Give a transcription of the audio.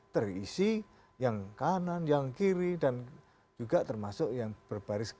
terisi yang kanan yang kiri dan juga termasuk yang berbaris